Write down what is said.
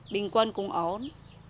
bình quân cũng ổn